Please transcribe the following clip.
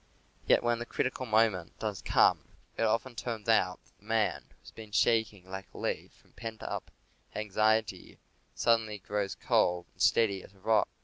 Yet, when the critical moment does come, it often turns out that the man who has been shaking like a leaf from pent up anxiety suddenly grows cold and steady as a rock.